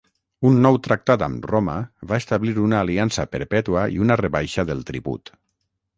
Un nou tractat amb Roma va establir una aliança perpètua i una rebaixa del tribut.